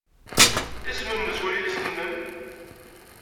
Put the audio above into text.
Isem-nnes wayis-nwen?